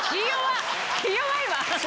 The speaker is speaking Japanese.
気弱いわ！